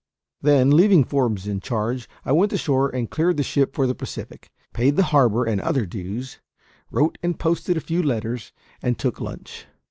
Then, leaving Forbes in charge, I went ashore and cleared the ship for the Pacific, paid the harbour and other dues, wrote and posted a few letters, and took lunch.